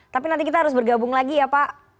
tapi nanti kita harus bergabung lagi ya pak